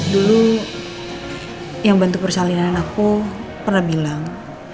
dulu yang bantu persalinan aku pernah bilang